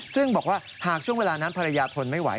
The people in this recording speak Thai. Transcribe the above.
ซึ่งบอกว่าหากช่วงเวลานั้นภรรยาทนไม่ไหว